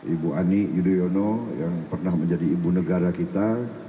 ibu ani yudhoyono yang pernah menjadi ibu negara kita